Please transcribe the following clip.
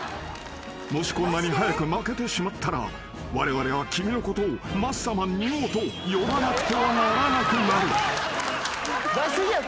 ［もしこんなに早く負けてしまったらわれわれは君のことをマッサマン２号と呼ばなくてはならなくなる］